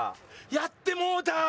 やってもうたー！